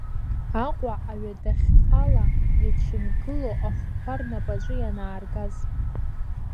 Аҟәа аҩадахьҟала иачынгыло ахәқәа рнапаҿы ианааргаз…